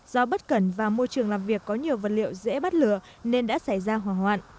do bất cẩn và môi trường làm việc có nhiều vật liệu dễ bắt lửa nên đã xảy ra hỏa hoạn